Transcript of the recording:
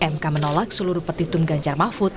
mk menolak seluruh petitun ganjar mahfud